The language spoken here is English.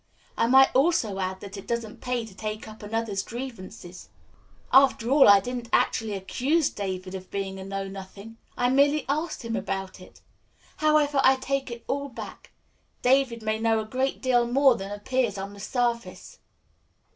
I might also add that it doesn't pay to take up another's grievances. After all I didn't actually accuse David of being a know nothing. I merely asked him about it. However, I take it all back. David may know a great deal more than appears on the surface."